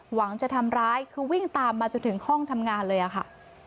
หวังจะทำร้ายคือวิ่งตามมาจนถึงห้องทำงานเลยอะค่ะ